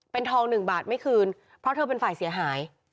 เป็นทองหนึ่งบาทไม่คืนเพราะเธอเป็นฝ่ายเสียหาย